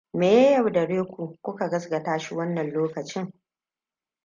Me ya yaudare ku kuka gaskata shi wannan lokacin?